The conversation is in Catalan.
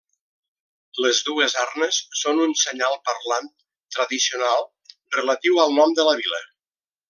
Les dues arnes són un senyal parlant tradicional relatiu al nom de la vila.